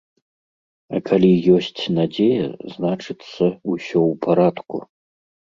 А калі ёсць надзея, значыцца, усё ў парадку.